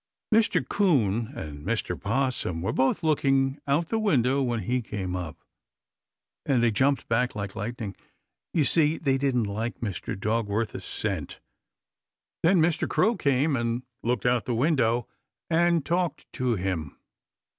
Mr. 'Coon and Mr. 'Possum were both looking out the window when he came up, and they jumped back like lightning. You see, they didn't like Mr. Dog worth a cent. Then Mr. Crow came and looked out the window and talked to him.